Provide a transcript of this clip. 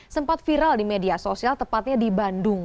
sempat viral di media sosial tepatnya di bandung